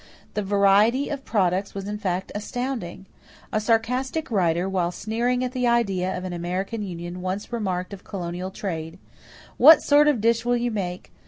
The variety of products was in fact astounding. A sarcastic writer, while sneering at the idea of an American union, once remarked of colonial trade: "What sort of dish will you make?